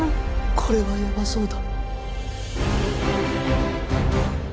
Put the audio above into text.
これはヤバそうだ